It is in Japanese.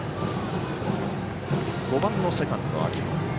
５番のセカンド秋元。